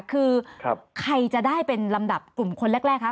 คือใครจะได้เป็นลำดับกลุ่มคนแรกคะ